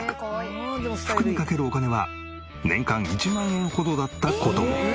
服にかけるお金は年間１万円ほどだった事も。